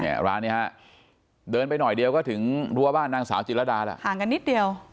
ร้านนี้ฮะเดินไปหน่อยเดียวก็ถึงรั้วบ้านนางสาวจิรดาแหละห่างกันนิดเดียว